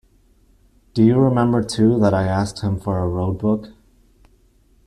Do you remember too that I asked him for a road-book?